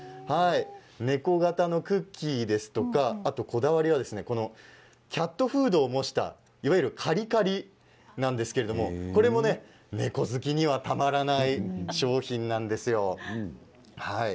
猫形のクッキーキャットフードを模したいわゆるカリカリなんですけどこれも猫好きにはたまらない商品なんですよね。